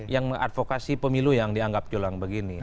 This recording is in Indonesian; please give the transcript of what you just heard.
yang mengadvokasi pemilu yang dianggap curang begini